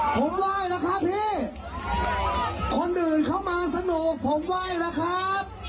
คนอื่นเข้ามาสนุกผมไหว้แล้วครับ